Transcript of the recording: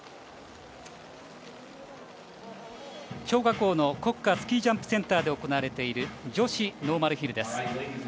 張家口の国家スキージャンプセンターで行われている女子ノーマルヒルです。